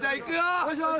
お願いします。